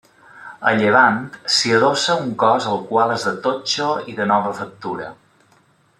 A llevant s'hi adossa un cos el qual és de totxo i de nova factura.